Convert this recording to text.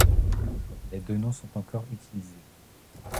Les deux noms sont encore utilisés.